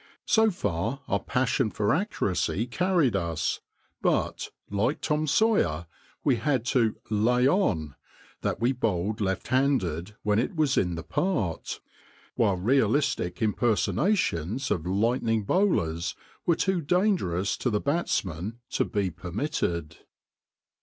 So far our passion for accuracy carried us, but, like Tom Sawyer, we had to " lay on " that we bowled left handed when it was in the part, while realistic impersonations of lightning bowlers were too dangerous to the batsman to be permitted.